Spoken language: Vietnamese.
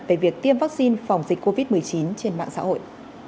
về việc tiêm vaccine phòng dịch covid một mươi chín trên mạng xã hội